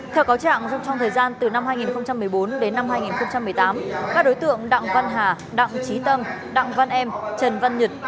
theo cáo trạng trong thời gian từ năm hai nghìn một mươi bốn đến năm hai nghìn một mươi tám các đối tượng đặng văn hà đặng trí tâm đặng văn em trần văn nhật